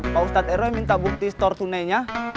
pak ustadz erroy minta bukti store tunainya